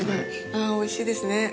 あぁ、おいしいですね。